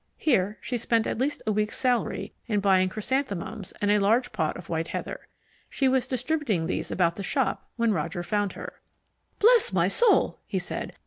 Here she spent at least a week's salary in buying chrysanthemums and a large pot of white heather. She was distributing these about the shop when Roger found her. "Bless my soul!" he said.